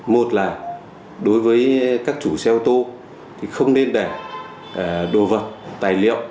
một là đối với các chủ xe ô tô thì không nên để đồ vật tài liệu